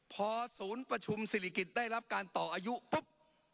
พอศูนย์ประชุมศิริกิจได้รับการต่ออายุปุ๊บ